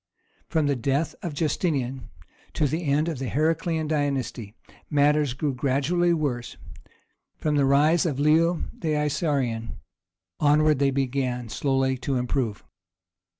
From the death of Justinian to the end of the Heraclian dynasty matters grew gradually worse; from the rise of Leo the Isaurian onward they began slowly to improve.